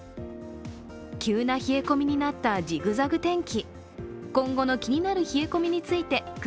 急な冷え込みになったジグザグ天気。